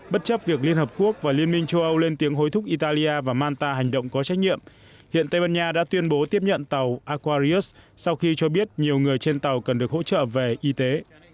bất chấp việc liên hợp quốc và liên minh châu âu lên tiếng hối thúc italia và manta hành động có trách nhiệm hiện tây ban nha đã tuyên bố tiếp nhận tàu aquarius sau khi cho biết nhiều người trên tàu cần được hỗ trợ về y tế